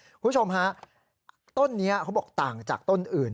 คุณผู้ชมฮะต้นนี้เขาบอกต่างจากต้นอื่น